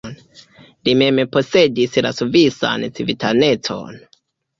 Li mem posedis la svisan civitanecon.